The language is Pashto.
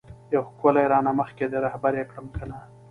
یو ښکلی رانه مخکی دی رهبر یی کړم کنه؟